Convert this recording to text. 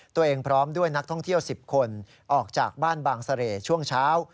พร้อมด้วยนักท่องเที่ยว๑๐คนออกจากบ้านบางเสร่ช่วงเช้า